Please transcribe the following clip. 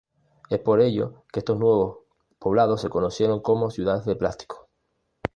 Es por ello que estos nuevos poblados se conocieron como "ciudades de plástico".